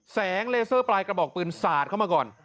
เลเซอร์ปลายกระบอกปืนสาดเข้ามาก่อน